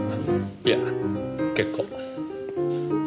いや結構。